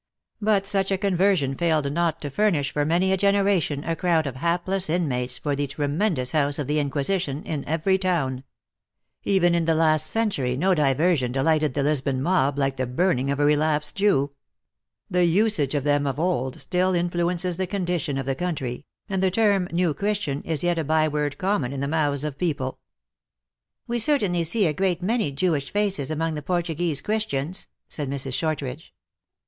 But such a conversion failed not to furnish for many a generation a crowd of hapless inmates for the Tre mendous House of the Inquisition in every town. Even in the last century, no diversion delighted the 188 THE ACTEESS IN HIGH LIFE. Lisbon mob like the burning of a relapsed Jew. The usage of them of old still influences the condition of the country, and the term New Christian is yet a by word common in the mouths of people." " We certainly see a great many Jewish faces among the Portuguese Christians," said Mrs. Shortridge.